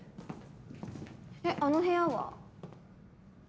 えっあの部屋は？